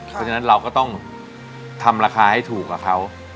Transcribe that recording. เพราะฉะนั้นเราก็ต้องทำราคาให้ถูกกับเขา